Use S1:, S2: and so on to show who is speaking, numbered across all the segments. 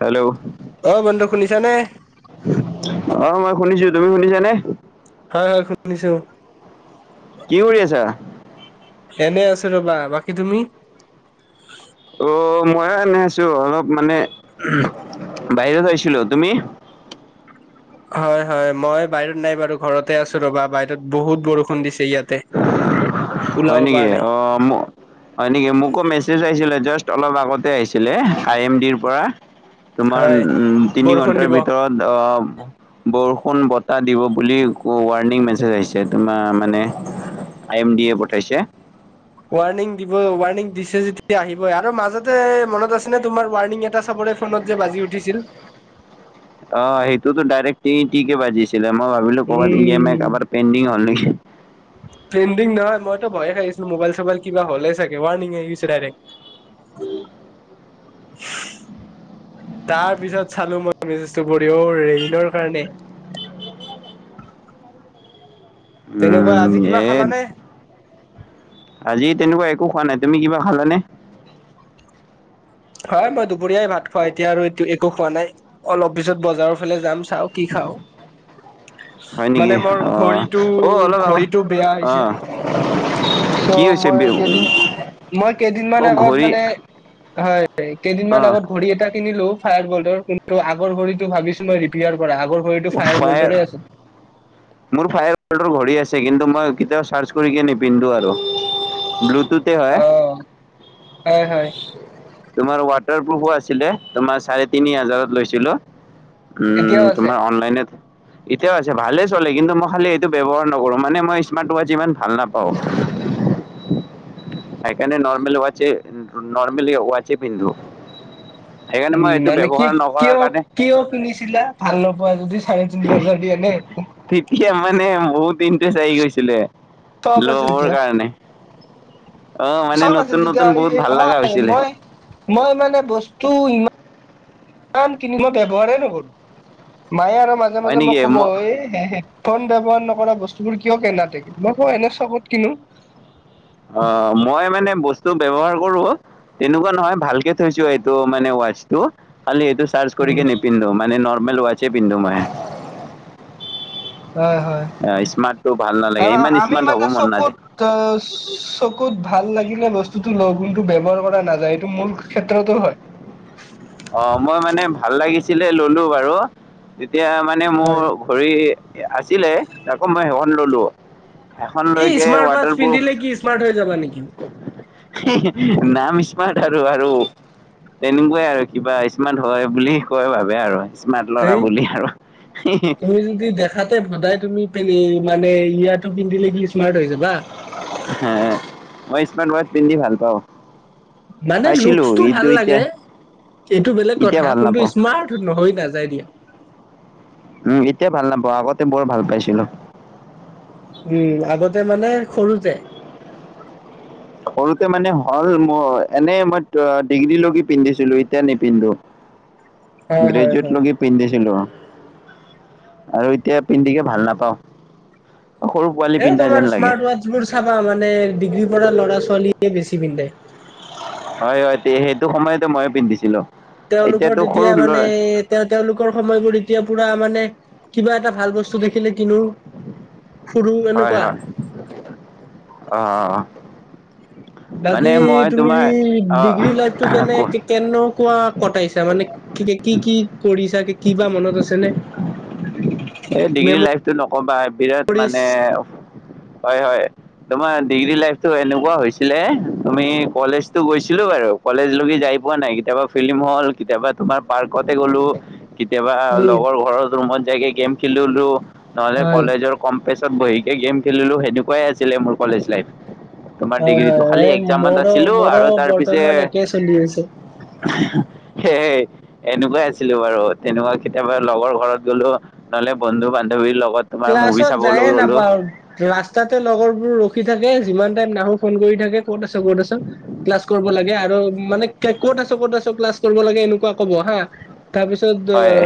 S1: Hello
S2: অ বন্ধু শুনিছা নে?
S1: অ মই শুনিছো। তুমি শুনিছানে?
S2: হয় হয় শুনিছো।
S1: কি কৰি আছা?
S2: এনেই আছো ৰবা। বাকী তুমি?
S1: অ মই এনে আছো অলপ মানে বাহিৰত আহিছিলো। তুমি?
S2: হয় হয়, মই বাহিৰত নাই বাৰু ঘৰতে আছো ৰ'বা বাহিৰত বহুত বৰষুণ দিছে ইয়াতে। [inaudible]
S1: হয়
S2: ওলাব
S1: নেকি
S2: পৰা নাই
S1: অ- হয় নেকি? মোকো মেছেজ আহিছিলে জাষ্ট অলপ আগতে আহিছিলে আই এম ডিৰ পৰা। তোমাৰ
S2: হয়
S1: উম তিনি
S2: বৰষুণ
S1: ঘন্টাৰ
S2: দিব
S1: ভিতৰত আহ, বৰষুণ বতাহ দিব বুলি ৱাৰ্ণিং মেছেজ আহিছে তোমাৰ মানে, আই এম ডি এ পঠাইছে।
S2: ৱাৰ্ণিং দিব ৱাৰ্ণিং দিছে যেতিয়া আহিবই। আৰু মাজতে মনত আছেনে তোমাৰ ৱাৰ্ণিং এটা চাব, ফোনত যে বাজি উঠিছিল।
S1: অ সেইটোতো ডাইৰেক্ট টি টিকে বাজিছিলে, মই ভাবিলো কৰবাত ই এম আই
S2: উম
S1: কাৰবাৰ পেণ্ডিং হল নেকি!
S2: পেণ্ডিং নহয় মইতো ভয়ে খাইছিলো মোবাইল চবাইল কিবা হ'লে চাগে ৱাৰ্নিং আহি গৈছে ডাইৰেক।
S1: উম [unintelligible]
S2: তাৰ পিছত চালো মই মেছেজটো পঢ়ি অ ৰেইনৰ কাৰণে। তেনেকুৱা
S1: উম
S2: আজি কিবা
S1: এই,
S2: খালানে
S1: আজি তেনেকুৱা একো খোৱা নাই। তুমি কিবা খালানে?
S2: হয় মই দুপৰীয়াই ভাত খোৱা এতিয়া আৰু একো খোৱা নাই, অলপ পিছত বজাৰৰ ফালে যাম। চাওঁ কি খাওঁ।
S1: হয় নেকি
S2: মানে মোৰ
S1: অ
S2: ঘড়ীটো
S1: অ অলপ আ
S2: ঘড়ীটো বেয়া
S1: অ
S2: হৈছে। চ
S1: কি হৈছে
S2: মই কেইদিন, মই কেইদিন মান
S1: অ
S2: আগত
S1: ঘড়ী
S2: মানে হয়, এ
S1: অ
S2: কেইদিনমান আগত ঘডী এটা কিনিলো, ফায়াৰ বল্ডৰ। কিন্তু আগৰ ঘড়ীতো ভাবিছিলো ৰিপেয়াৰ কৰা আগৰ, ঘড়ীটো
S1: ফায়াৰ
S2: বল্টৰে আছিল
S1: মোৰ ফায়াৰ্ডৰ ঘড়ী আছে কিন্তু মই কেতিয়াও চাৰ্চ কৰিকে নিপিন্ধোঁ আৰু। ব্লুটুত
S2: অ, হয় হয়।
S1: তোমাৰ ৱাটাৰপ্ৰুফো আছিলে। তোমাৰ চাৰে তিনি হাজাৰত লৈছিলো।
S2: এতিয়াও
S1: উম
S2: আছে
S1: তোমাৰ অনলাইনেত, এতিয়াও আছে ভালে চলে কিন্তু মই খালি এইটো ব্যৱহাৰ নকৰো, মানে মই স্মাৰ্ট ৱাচ ইমান ভাল নাপাওঁ। সেইকাৰনেে নৰ্মেল ৱাচ নৰ্মেল ৱাচ এ পিন্ধো। সেইকাৰণে
S2: উম
S1: মই এইটো
S2: মানে কি
S1: ব্যৱহাৰ
S2: কিয়
S1: নকৰাৰ কাৰণে
S2: কিয় কিনিছিলা ভাল নোপোৱা যদি চাৰে তিনি হাজাৰ দি এনে?
S1: [unintelligible] মানে বহুত ইণ্টাৰেষ্ট আহি গৈছিলে
S2: চখ আছিল
S1: লবৰ
S2: তেতিয়া
S1: কাৰণে। অ মানে
S2: চখ আছিল
S1: নতুন
S2: তেতিয়া
S1: নতুন বহুত ভাল লগা
S2: হয়,
S1: হৈছিলে
S2: মই মই মানে বস্তু ইমান কিমান কিনি মই ব্যৱহাৰেই নকৰো, মায়ে আৰু মাজে
S1: হয়
S2: মাজে মই
S1: নেকি
S2: ক'ব
S1: ম
S2: এ ফোন ব্যৱহাৰ নকৰা বস্তুবোৰ কিয় কিনা [unintelligible] মই কওঁ এনে চখত কিনো।
S1: অ', মই মানে বস্তু ব্যৱহাৰ কৰো। তেনেকুৱা নহয়, ভালকে থৈছো এইটো মানে ৱাচটো। খালি এইটো চাৰ্জ কৰি কি নিপিন্ধো মানে নৰ্মেল ৱাটচে পিন্ধো মই।
S2: হয়, হয়।
S1: অ', স্মাৰ্ট টো ভাল নালাগে, ইমান স্মাৰ্ট হ'ব মন নযায়।
S2: ত' চকুত ভাল লাগিলে বস্তুতটো ল কিন্তু ব্য্ৱহাৰ কৰা নাযায় এইটো মোৰ ক্ষেত্ৰতো হয়।
S1: অ', মই মানে ভাল লাগিছিলে ল'লো বাৰু তেতিয়া মানে মোৰ
S2: হয়
S1: ঘড়ী আছিলে আকৌ মই সেইখন ল'লোঁ।
S2: ই স্মাৰ্ট ৱাচ পিন্ধিলে কি স্মাৰ্ট হৈ যাবা নেকি?
S1: নাম স্মাৰ্ট আৰু আৰু তেনেকুৱাই আৰু। কিবা স্মাৰ্ট হয়, বুলি কয় ভাবে আৰু স্মাৰ্ট ল'ৰা
S2: হেই
S1: বুলি আৰু।
S2: তুমি যদি দেখা ঠাতে ভদাই তুমি পিনে মানে ইয়াতো পিন্ধিলে কি স্মাৰ্ট হৈ যাবা?
S1: হ মই স্মাৰ্ট ৱাটচ পিন্ধি ভাল পাওঁ।
S2: মানে
S1: পাইছিলো
S2: লুকচটো
S1: কিন্তু
S2: ভাল
S1: এতিয়া
S2: লাগে। এইটো বেলেগ
S1: এতিয়া
S2: কথা
S1: ভাল
S2: কোনটো
S1: নাপাওঁ
S2: স্মাৰ্ট নহয়, নাযায় দিয়া।
S1: উম, এতিয়া ভাল নাপাওঁ আগতে বৰ ভাল পাইছিলো।
S2: উম, আগতে মানে সৰুতে?
S1: সৰুতে মানে হ'ল মোৰ এনেই মই ডিগ্ৰী লগি পিন্ধিছিলো এতিয়া নিপিন্ধো।
S2: [inaudible] হয় হয়
S1: গ্ৰেজুৱেট
S2: হয়
S1: লকি পিন্ধিছিলো আৰু এতিয়া পিন্ধিকে ভাল নাপাও। সৰু পোৱালি
S2: এ
S1: পিন্ধা
S2: তোমাৰ
S1: যেন লাগে।
S2: [unintelligible] চাবা মানে ডিগ্ৰী পৰা ল'ৰা ছোৱালীয়ে বেছি পিন্ধে।
S1: হয়, হয়, সেইটো সময়তে ময়ো পিন্ধিছিলো।
S2: তেওঁলোকৰ
S1: এতিয়াতো সৰু
S2: তেতিয়া মানে
S1: ল'ৰা
S2: তেও-তেওঁলোকৰ সময়বোৰ এতিয়া পুৰা মানে কিবা এটা ভাল বস্তু দেখিলে কিনো। ফুৰো
S1: হয়,
S2: এনেকুৱা
S1: হয়, অ', অ'।
S2: বাকী তুমি
S1: তোমাৰ অ',
S2: ডিগ্ৰী লাইফটো কেনে
S1: ক-
S2: কেনেকুৱা কটাইছা মানে কি কি কি কৰিছা কিবা মনত আছে নে? [inaudible]
S1: এই ডিগ্ৰী লাইফতটো নকবা বিৰাট
S2: মেমৰিজ
S1: মানে হয়, হয়। তোমাৰ ডিগ্ৰী লাইফতটো এনেকুৱা হৈছিলে, তুমি কলেজতটো গৈছিলো বাৰু। কলেজ লৈকে যাই পোৱা নাই কেতিয়াবা ফিল্ম হল কেতিয়াবা তোমাৰ পাৰ্কতে গ'লো। কেতিয়াবা
S2: উম
S1: লগৰ ঘৰৰ ৰুমত যায়গৈ গেম খেলিলোঁ নহ'লে
S2: হয়
S1: কলেজৰ কম পেছত বহিকে গেম খেলিলোঁ সেনেকুৱাই আছিলে মোৰ কলেজ লাইফ। তোমাৰ
S2: হয় হয়
S1: ডিগ্ৰীটো খালি
S2: এই
S1: এক্জামত
S2: মোৰো
S1: আছিলোঁ
S2: মোৰো
S1: আৰু তাৰপিছে
S2: বৰ্তমান একে চলি আছে।
S1: সেই এনেকুৱাই আছিলো বাৰু তেনেকুৱা কেতিয়াবা লগৰ ঘৰত গ'লো। নহ'লে বন্ধু-বান্ধৱীৰ লগত। তোমাৰ মুভি
S2: ক্লাছত
S1: চাবলৈ
S2: যায়ে
S1: গ'লো
S2: নাপাওঁ। ৰাস্তাতে লগৰবোৰ ৰখি থাকে যিমান টাইম নাহো ফোন কৰি থাকে ক'ত আছ ক'ত আছোন। ক্লাছ কৰিব লাগে আৰু মানে ক'ত আছো ক'ত আছো ক্লাছ কৰিব লাগে এনেকুৱা কব হা। তাৰপিছত
S1: হয়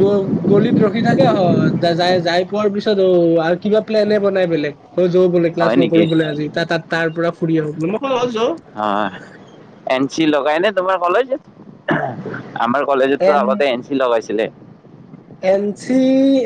S2: গ গলিত ৰখি থাকে হয়। যাই যাই পোৱাৰ পিছত অ আৰু কিবা প্লেনে বনাই বেলেগ। অ যো বোলে ক্লাছ
S1: হয় নেকি
S2: নকৰো বোলে আজি তাত তাৰ পৰা ফুৰি আহো যো
S1: হয় এন চি লগাই ন তোমাৰ কলেজত- আমাৰ কলেজতো আগতে এন চি লগাইছিলে
S2: এন চি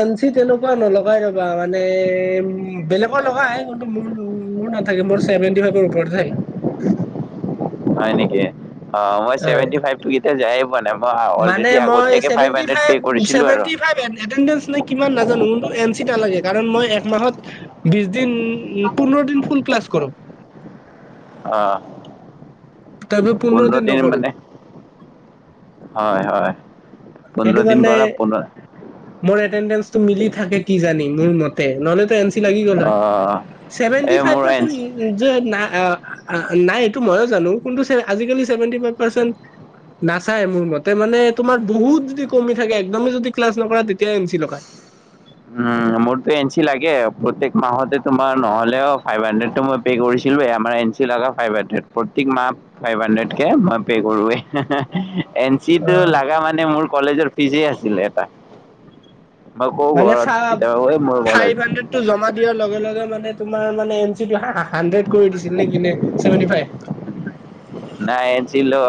S2: এন চি তেনেকুৱা নলগাই ৰ'বা মানে উ বেলেগৰ লগাই। অ মোৰ মোৰ নাথাকে মোৰ ছেভেনটি ফাইভৰ ওপৰতে থাকে।
S1: হয় নেকি? অ মই
S2: হয়
S1: চছেভেনটি ফাইভ টকেই যায় পোৱা নাই মই
S2: মানে
S1: অলৰেডি আগতীয়াকে ফাইভ হাড্ৰেড পে' কৰিছিলো আৰু
S2: এটেডে ন কিমান নাজানো কিন্তটো এন চিটা লাগে কাৰণ মই একমাহত- বিশ দিন পোন্ধৰ দিন ফুল ক্লাছ কৰো।
S1: আহ পোন্ধৰ দিন মানে। হয় হয়।
S2: সেইটো
S1: পোন্ধৰ দিন
S2: কাৰণে
S1: কৰা পন্-
S2: মোৰ এটেডেঞ্চটো মিলি থাকে কি জানি মোৰ মতে নহলেতো এন চি লাগি গ'ল
S1: অ
S2: হয়। ছেভেণ্টি
S1: এই
S2: ফাইভ
S1: মোৰ এন
S2: পাৰ্চেণ্ট
S1: চি
S2: ন- যে নাই নাই এইটো ময়ো জানো কিন্তু আজিকালিভেটি ফাইভ পাৰ্চণ্ট নাচাই মোৰ মতে মানে তোমাৰ বহুত যদি কমি থাকে একদমেই যদি ক্লাছ নকৰা তেতিয়া এম চি লগায়।
S1: উম মোৰতো এনঞ্চি লাগে প্ৰতেক মাহতে তোমাৰ নহলেও ফাইভ হাড্ৰেডটো মই পে কৰিছিলেই আমাৰ এন চি লগ ফাইভ হাণ্ড্ৰেড প্ৰত্যেক মাহ- ফাইভ হাড্ৰেড কে মই পে' কৰোৱে এন- চিটো লগা মানে মোৰ কলেজৰ ফিজে আছিলে। এটা মই কওঁ
S2: মানে ফা
S1: ঘৰত কেতিয়াবাে মোৰ
S2: ফাইভ
S1: কলেজ
S2: হাণ্ড্ৰেড টো জমা দিয়াৰ লগে লগে মানে তোমাৰ মানে এন চিটো হাড্ৰেড কৰি দিছিল নে কি ননে- চেভেণ্টি ফাইভ-
S1: নাই এন চি লৈ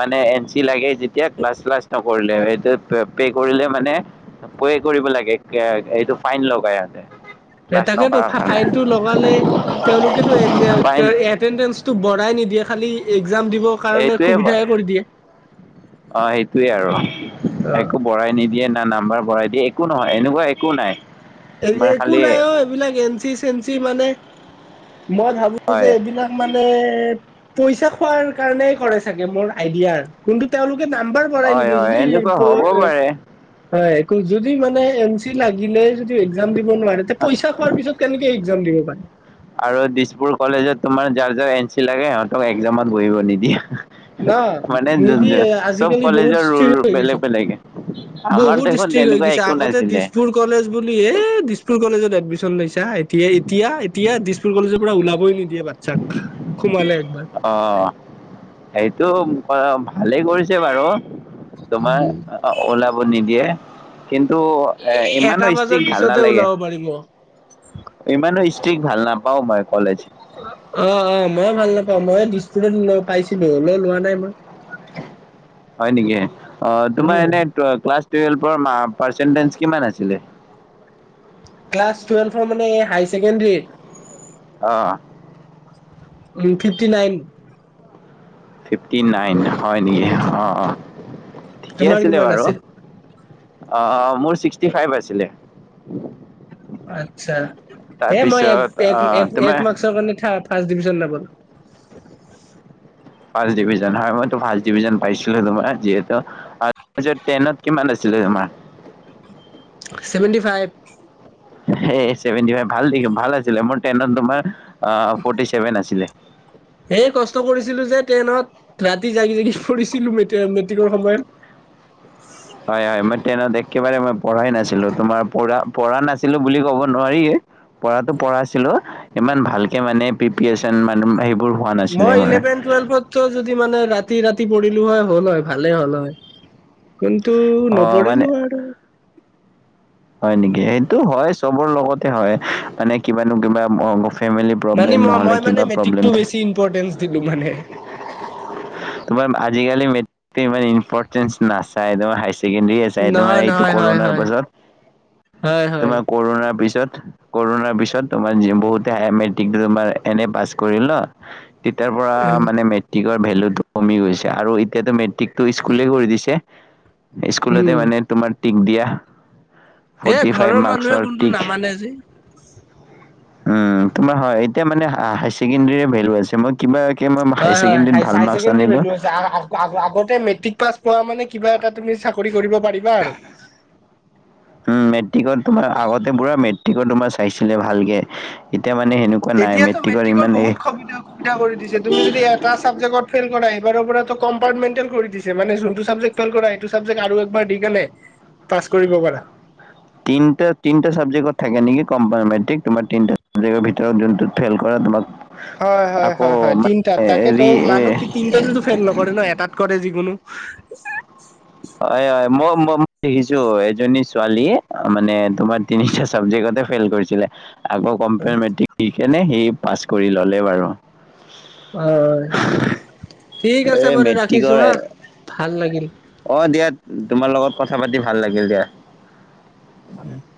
S1: মানে এন চি লাগে যেতিয়া ক্লাছ চ্লাছ নকৰিলে সেইটোৱে পে' কৰিলে মানে পে কৰিব লাগে এইটো ফাইন লগা আছে।
S2: তাকে তো ফাইনতটো লগালে তেওঁলোকেতটো এ
S1: ফাইন
S2: এটেণ্ডেঞ্চটো বঢ়াই নিদিয়ে খালি এক্জাম দিবৰ কাৰণে
S1: এইটোৱে
S2: সুবিধাহে কৰি দিয়ে।
S1: সেইটোৱে আৰু একো
S2: অ
S1: বঢ়াই নিদিয়ে না নাম্বাৰ বঢ়াই দিয়ে একো নহয় এনেকুৱা একো নাই। তোমাৰ
S2: একো
S1: খালি
S2: নাই অ এইবিলাক এনঞ্চি চেঞ্চি মানে মই ভাবো মোৰ যে
S1: হয়
S2: এইবিলাক মানে। পইচা খোৱাৰ কাৰণে কৰে চাগে মোৰ আইডিয়াৰ কিন্তু তেওঁলোকে নাম্বাৰ বঢ়াই
S1: হয়
S2: নিদিয়ে
S1: হয় এনেকুৱা হ'ব পাৰে
S2: যদি মানে এ চি লাগিলে এক্সাম দিব নোৱাৰে তে পইচা খোৱাৰ পিছত কেনেকে এক্সাম দিব পাৰে।
S1: আৰু দিছপুৰ কলেজত তোমাৰ যাৰ যাৰ এন চি লাগে সিহঁতক এক্জামত বহিব নিদিয়ে।
S2: ন
S1: মানে যোন-
S2: নিদিয়ে
S1: যোন- চব
S2: আজিকালি বহুত
S1: কলেজৰ
S2: স্থিৰ
S1: ৰুল
S2: হৈ
S1: বেলেগ
S2: গিছে।
S1: বেলেগ আমাৰ
S2: বহুত
S1: দেখোন
S2: ডিষ্ট্ৰিক্ট হৈ
S1: তেনেকুৱা
S2: গৈছে
S1: একো
S2: আগতে
S1: নাছিলে
S2: দিছপুৰ কলেজ বুলিহে দিছপুৰ কলেজত এডমিশন লৈছা এতিয়া এতিয়া এতিয়া দিছপুৰ কলেজত পুৰা ওলাবই নিদিয়ে বাচ্ছাক সোমালে একবাৰ
S1: অ সেইটো ভালেই কৰিছে বাৰু তোমাৰ ওলাবোৰ নিদিয়ে। কিন্তু এ
S2: এটা
S1: ইমানো
S2: বাজৰ
S1: ষ্ট্ৰিক ভাল
S2: পিছতে
S1: নালাগে।
S2: ওলাব পাৰিব
S1: ইমানো ষ্ট্ৰিক্ ভাল নাপাও মই কলেজ-
S2: অ অ ময়ো ভাল নাপাওঁ ময়ে দৃষ্টতে পাইছিলো হলেও লোৱা নাই মই।
S1: হয় নেকি অ তোমাৰ
S2: উম
S1: এনে ক্লাছ টুৱেলভৰ পাৰ্চচেটেজ কিমান আছিলে।
S2: ক্লাছটুৱেলভৰ মানে হাইাৰ ছেকেণ্ডেৰীত-
S1: অ,
S2: উম ফিফ্টি নাইন।
S1: ফিফটি নাইন হয় নেকি অ অ ঠিকে
S2: তোমাৰ
S1: আছিলে
S2: কিমান
S1: বাৰু।
S2: আছিল
S1: অঁ অঁ মোৰ ছিক্সটি ফাইভ আছিলে।
S2: আচ্ছা, হে মই এক
S1: তাৰপিছত
S2: এক
S1: অ'
S2: এক
S1: তোমাৰ
S2: এক মাৰ্কচৰ কাৰণে ফাৰ্ষ্ট ডিভিজন নাপালোঁ।
S1: ফাৰ্ষ্ট ডিভিজন হয়। মইতো ফাৰ্ষ্ট ডিভিজন পাইছিলো তোমাৰ। যিহেতু আৰু টেনত কিমান আছিলে তোমাৰ?
S2: Seventy five.
S1: এই ছেভেণ্টি ফাইভ ভাল দেখ ভাল আছিলে। মোৰ টেনত তোমাৰ ফ'ৰ্টি ছেভেন আছিলে।
S2: এই কষ্ট কৰিছিলো যে টেনত। ৰাতি জাগি জাগি পঢ়িছিলোঁ মেটে মেট্ৰিকৰ সময়ত।
S1: হয় হয়। মই টেনত একেবাৰে মই পঢ়াই নাছিলো। তোমাৰ পঢ়া পঢ়া নাছিলো বুলি কব নোৱাৰিয়ে। পঢ়াতো পঢ়াইছিলো ইমান ভালকে মানে প্ৰিপেৰেচন মানে এইবোৰ
S2: মই ইলেভেন টুৱেলভতো যদি মানে ৰাতি ৰাতি পঢ়িলো হয়, হ'ল হ, ভালেই হ'ল হয়। কিন্তু
S1: অঁ মানে
S2: নপঢ়িলো আৰু।
S1: হয় নেকি, সেইটো হয় চবৰ লগতে হয়। মানে কিবা নো কিবা ম ফেমিলি
S2: মানে
S1: প্ৰব্লেম
S2: মই
S1: নহ'লে
S2: মই মানে
S1: কিবা প্ৰব্লেম
S2: মেট্ৰিকটো
S1: থাকে।
S2: বেছি ইম্পৰ্টেঞ্চ দিলোঁ মানে।
S1: তোমাৰ আজিকালি মেট্ৰিক ইমান ইম্পৰ্টেঞ্চ নাচাই ন হাইচেকেন্ডেৰী চাই তোমাৰ
S2: নহয়
S1: এইটো
S2: নহয় হয়
S1: কৰ'ণাৰ
S2: হয়
S1: পাছত,
S2: হয় হয়
S1: তোমাৰ কৰ'ণাৰ পিছত কৰ'ণাৰ পিছত তোমাক যে বহুতে হাঁহে, মেট্ৰিকটো তোমাৰ এনে পাছ কৰিল ন। তেতিয়াৰ পৰা মানে মেট্ৰিকৰ ভেলুটো কমি গৈছে আৰু এতিয়াতো মেট্ৰিকটো স্কুলেই কৰি দিছে। স্কুলতে
S2: উম
S1: মানে তোমাৰ টিক দিয়া
S2: এ
S1: ফ'ৰ্টি
S2: ঘৰৰ
S1: ফাইভ
S2: মানুহে
S1: মাৰ্কছৰ
S2: কোনটো
S1: টিক,
S2: নামানে যে
S1: উম তোমাৰ হয়। এতিয়া মানে হাই ছেকেণ্ডেৰী ভেলু আছে মই কিবা কে মই
S2: হয় হয়
S1: হাইছেকেণ্ডেৰীত ভাল
S2: হাই
S1: মাৰ্কচ
S2: ছেকেণ্ডেৰীৰ
S1: আনিলো
S2: ভেলু আছে। আগ আগ আগ আগতে মেট্ৰিক পাছ কৰা মানে কিবা এটা তুমি চাকৰি কৰিব পাৰিবা বাৰু।
S1: উম, মেট্ৰিকত তোমাৰ আগতে পুৰা মেট্ৰিকত তোমাৰ চাইছিলে ভালকে। এতিয়া মানে সেনে
S2: এতিয়াতো মেট্ৰিকৰ বহুত সবিধা সুবিধা কৰি দিছে। তুমি যদি এটা এটা ছাবজেক্টটত ফেইল কৰে, এইবাৰৰ পৰাটো কম্পাৰ্টমেন্টেল কৰি দিছে মানে যোনটো ছাবজেক্ট ফেইল কৰা সেই টো ছাবজেক্ট আৰু একবাৰ দি কেনে পাছ কৰিব পাৰা।
S1: তিনিটা, তিনিটা ছাবজেক্টত থাকে নেকি কম্পাৰমেট্ৰিক। তোমাৰ তিনিটা ছাবজেক্টৰ ভিতৰত যোনটোত ফেইল কৰা তোমাক
S2: হয় হয়
S1: আকৌ
S2: হয় হয় তিনটাত,
S1: মানে
S2: তাকেতো
S1: হেৰি এ,
S2: মানুহ তি তিনটাতে তো ফেইল নক কৰে ন, এটাত কৰে যিকোনো
S1: হয় হয় ম মই দেখিছো এজনী ছোৱালীয়ে মানে তোমাৰ তিনিটা ছাবজেক্টততে ফেইল কৰিছিলে আকৌ কম্পাৰমেট্ৰিক দিকেনে সি পাছ কৰি ল'লে বাৰু।
S2: হয়, ঠিক আছে
S1: এই
S2: বাৰু
S1: মেট্ৰিকৰ
S2: ৰাখিছো হা ভাল লাগিল।
S1: অ দিয়া, তোমাৰ লগত কথা পাতি ভাল লাগিল দিয়া।
S2: [inaudible]